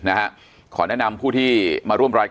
อันดับสุดท้าย